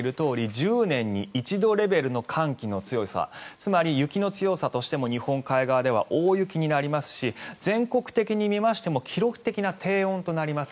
１０年に一度レベルの寒気の強さつまり雪の強さとしても日本海側では大雪になりますし全国的に見ましても記録的な低温となります。